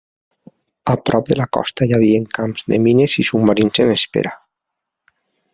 A prop de la costa hi havia camps de mines i submarins en espera.